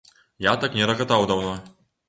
Я так не рагатаў даўно!